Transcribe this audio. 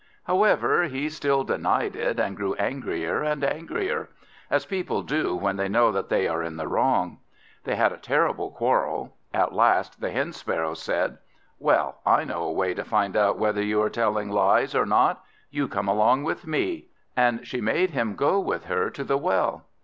However, he still denied it, and grew angrier and angrier, as people do when they know they are in the wrong. They had a terrible quarrel. At last the Hen sparrow said, "Well, I know a way to find out whether you are telling lies or not. You come along with me." And she made him go with her to the well.